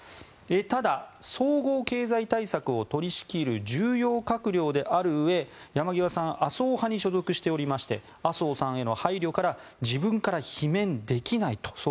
ただ、総合経済対策を取り仕切る重要閣僚であるうえ山際さん麻生派に所属しておりまして麻生さんへの配慮から総理は自分から罷免できないと。